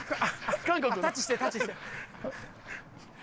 タッチしてタッチして。